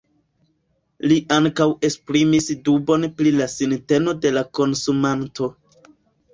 Li ankaŭ esprimis dubon pri la sinteno de la konsumanto.